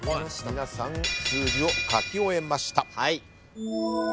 皆さん数字を書き終えました。